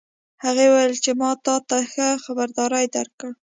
هغه وویل چې ما تا ته ښه خبرداری درکړ